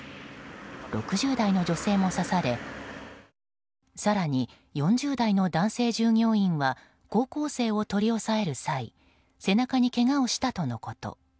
６０代の女性も刺され更に４０代の男性従業員は高校生を取り押さえる際背中にけがをしたとのこと。